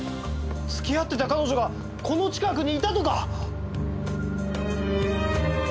付き合ってた彼女がこの近くにいたとか！？